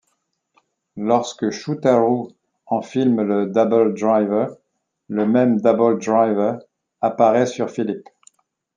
Lorsque Shoutarou enfile le Double Driver, le même Double Driver apparaît sur Philip.